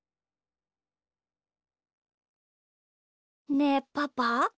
ねえパパ。